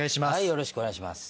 よろしくお願いします。